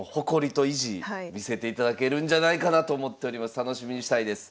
楽しみにしたいです。